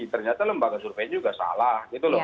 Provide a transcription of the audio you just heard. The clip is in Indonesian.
ternyata lembaga survei juga salah